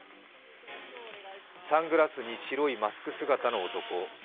サングラスに白いマスク姿の男。